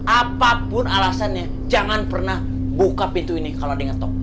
apapun alasannya jangan pernah buka pintu ini kalo ada yang ngetok